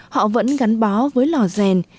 họ vẫn gắn bó với lò rèn